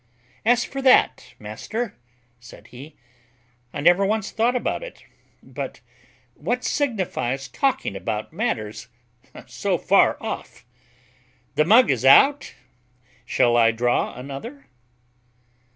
"As for that, master," said he, "I never once thought about it; but what signifies talking about matters so far off? The mug is out, shall I draw another?"